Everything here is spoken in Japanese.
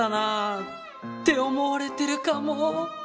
って思われてるかも。